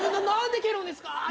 何で蹴るんですか？